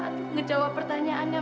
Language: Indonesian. tidak bisa menjawab pertanyaannya